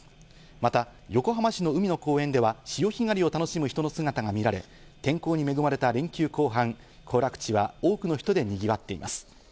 また横浜市の海の公園では潮干狩りを楽しむ人の姿が見られ、天候に恵まれた連休後半、行楽地は多くの人でにぎわっています。